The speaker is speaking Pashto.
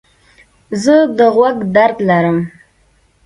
زه د غوږ درد لرم.